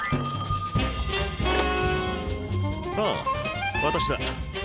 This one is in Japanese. ああ私だ。